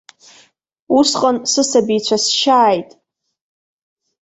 Усҟан сысабицәа сшьааит.